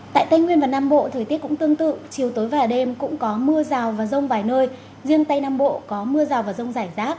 tại tây nguyên và nam bộ thời tiết cũng tương tự chiều tối và đêm cũng có mưa rào và rông vài nơi riêng tây nam bộ có mưa rào và rông rải rác